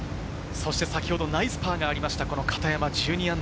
先ほどナイスパーがありました、片山、−１２。